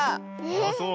ああそう。